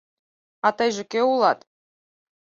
— А тыйже кӧ улат?